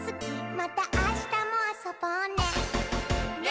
「またあしたもあそぼうね」